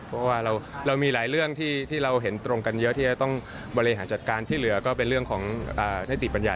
เพราะว่าเรามีหลายเรื่องที่เราเห็นตรงกันเยอะที่จะต้องบริหารจัดการที่เหลือก็เป็นเรื่องของนิติปัญญา